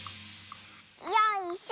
「よいしょ。